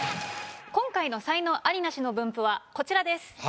今回の才能アリ・ナシの分布はこちらです。